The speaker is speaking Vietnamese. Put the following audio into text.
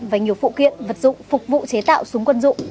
và nhiều phụ kiện vật dụng phục vụ chế tạo súng quân dụng